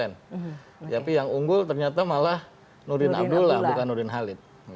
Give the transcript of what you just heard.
tapi yang unggul ternyata malah nurdin abdullah bukan nurdin halid